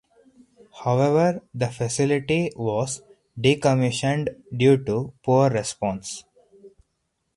However the facility was decommissioned due to poor response.